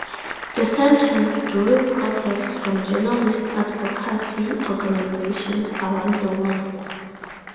The sentence drew protest from journalist advocacy organizations around the world.